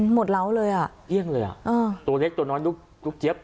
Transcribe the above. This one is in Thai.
เล้าเลยอ่ะเอี้ยงเลยอ่ะตัวเล็กตัวน้อยลูกเจี๊ยบ